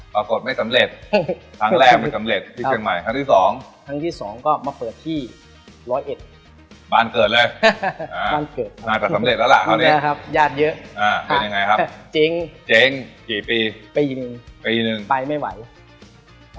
ปรากฏไม่สำเร็จครั้งแรกไม่สำเร็จที่เชียงใหม่